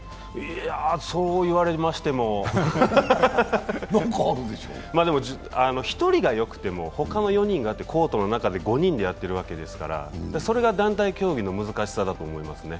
そう言われましてもでも１人がよくても、他の４人が、コートの中で５人でやってるわけですからそれが団体競技の難しさだと思いますね。